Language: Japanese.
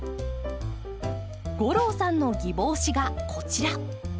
吾郎さんのギボウシがこちら。